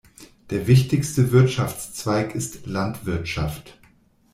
Der wichtigste Wirtschaftszweig ist Landwirtschaft.